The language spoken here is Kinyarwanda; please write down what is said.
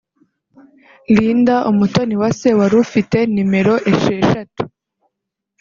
Linda Umutoniwase wari ufite nimero esheshatu